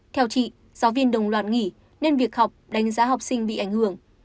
theo chị giáo viên đồng loạt nghỉ nên việc học đánh giá học sinh bị ảnh hưởng